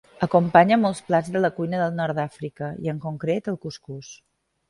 Acompanya molts plats de la cuina del nord d'Àfrica i, en concret, el cuscús.